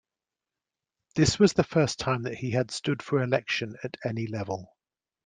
This was the first time that he had stood for election at any level.